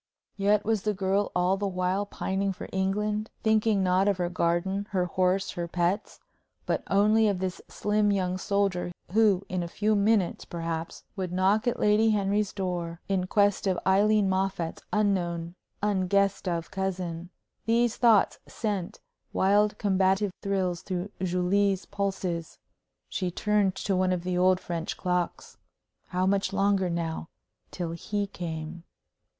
Yet was the girl all the while pining for England, thinking not of her garden, her horse, her pets, but only of this slim young soldier who in a few minutes, perhaps, would knock at Lady Henry's door, in quest of Aileen Moffatt's unknown, unguessed of cousin? These thoughts sent wild combative thrills through Julie's pulses. She turned to one of the old French clocks. How much longer now till he came?